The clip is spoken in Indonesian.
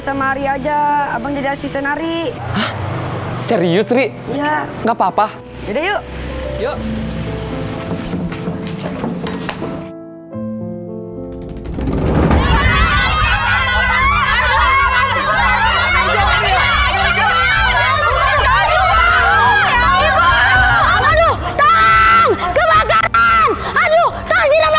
sama ari aja abang jadi asisten ari serius ria nggak papa papa yuk yuk